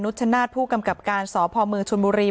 นุชนาธิ์ผู้กำกับการสภมชุนบุรี